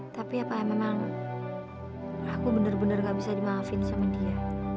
tapi apa memang aku bener bener gak bisa dimaafin sama dia